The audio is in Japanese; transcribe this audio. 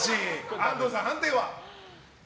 安藤さん、判定は？